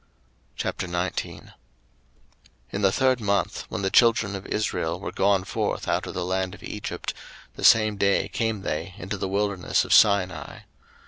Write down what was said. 02:019:001 In the third month, when the children of Israel were gone forth out of the land of Egypt, the same day came they into the wilderness of Sinai.